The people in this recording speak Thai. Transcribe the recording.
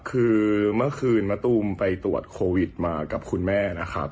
คือเมื่อคืนมะตูมไปตรวจโควิดมากับคุณแม่นะครับ